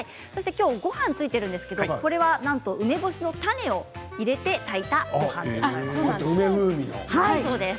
きょうごはんがついているんですけどこれはなんと梅干しの種を入れて炊いたごはんです。